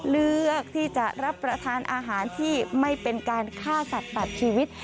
เลือกที่จะรับประทานอาหารที่ไม่เป็นการฆ่าสัตว์ตัดชีวิต